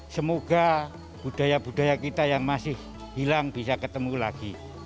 semoga budaya budaya kita yang masih hilang bisa ketemu lagi